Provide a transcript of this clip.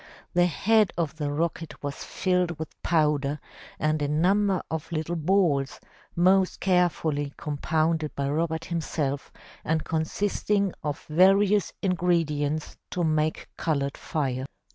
The head of the rocket was filled with powder and a number of little balls, most carefully compounded by Robert himself and consisting of various ingredients to make colored fire.